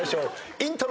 イントロ。